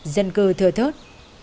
dân cư thừa thớt